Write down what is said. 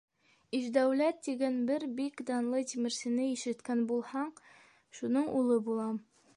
Ишдәүләт тигән бер бик данлы тимерсене ишеткән булһаң, шуның улы булам.